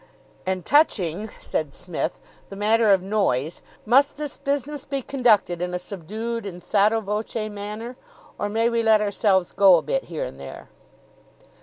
"And touching," said Psmith, "the matter of noise, must this business be conducted in a subdued and sotto voce manner, or may we let ourselves go a bit here and there?"